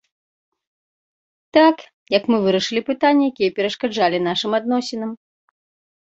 Так, як мы вырашылі пытанні, якія перашкаджалі нашым адносінам.